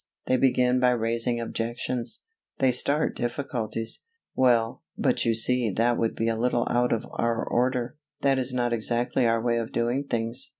they begin by raising objections they start difficulties: "Well, but you see that would be a little out of our order: that is not exactly our way of doing things.